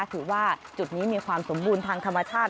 ถือว่าจุดนี้มีความสมบูรณ์ทางธรรมชาติ